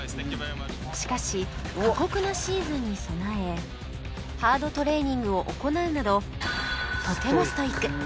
しかし過酷なシーズンに備えハードトレーニングを行うなどとてもストイック